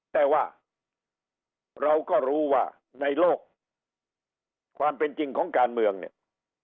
แต่ว่าเราก็รู้ว่าในโลกความเป็นจริงของการเมืองเนี่ย